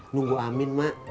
nunggu amin mak